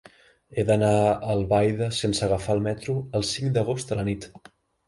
He d'anar a Albaida sense agafar el metro el cinc d'agost a la nit.